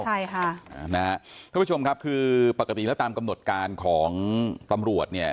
ใช่ค่ะนะฮะทุกผู้ชมครับคือปกติแล้วตามกำหนดการของตำรวจเนี่ย